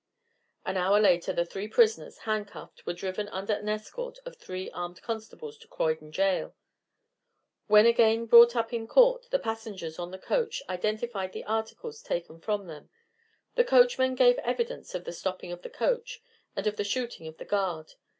An hour later the three prisoners, handcuffed, were driven under an escort of three armed constables to Croydon Jail. When again brought up in court the passengers on the coach identified the articles taken from them; the coachman gave evidence of the stopping of the coach, and of the shooting of the guard.